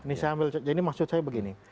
ini maksud saya begini